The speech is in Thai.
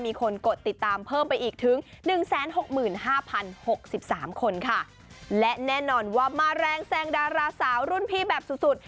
มีคนกดติดตามเพิ่มไปอีกถึง๑๖๕๐๖๓คนค่ะและแน่นอนว่ามาแรงแสงดาราสาวรุ่นพี่แบบสุด